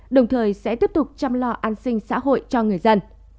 đồng thời sẽ tiếp tục chăm lo an sinh xã hội cho người dân